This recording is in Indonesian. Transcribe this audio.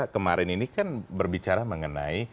kemarin ini kan berbicara mengenai